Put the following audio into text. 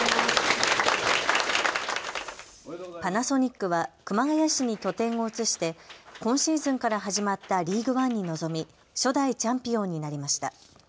パナソニックは熊谷市に拠点を移して今シーズンから始まったリーグワンに臨み初代チャンピオンになりました。